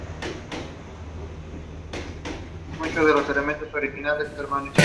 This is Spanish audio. Este es un martillo descomunal usado en la carpintería.